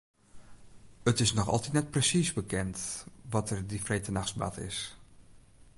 It is noch altyd net persiis bekend wat der dy freedtenachts bard is.